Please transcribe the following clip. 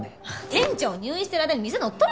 店長入院してる間に店乗っ取る気？